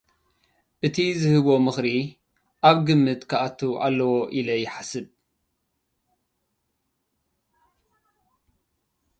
እቲ ዝሃቦ ምኽሪ ኣብ ግምት ክኣቱ ኣለዎ ኢለ እሓስብ።